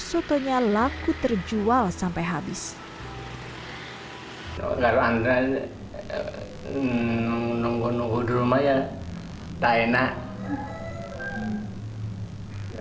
contohnya laku terjual sampai habis kalau anda nunggu nunggu di rumah ya tak enak